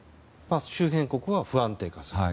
周辺国は不安定化すると。